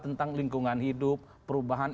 tentang lingkungan hidup perubahan